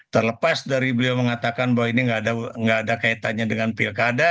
terlepas dari beliau mengatakan bahwa ini nggak ada kaitannya dengan pilkada